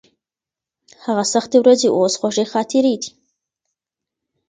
هغه سختې ورځې اوس خوږې خاطرې دي.